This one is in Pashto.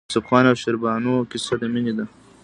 د یوسف خان او شیربانو کیسه د مینې ده.